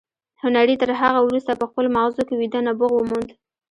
هنري تر هغه وروسته په خپلو ماغزو کې ویده نبوغ وموند